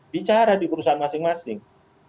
bicara di perusahaan masing masing